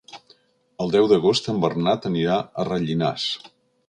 El deu d'agost en Bernat anirà a Rellinars.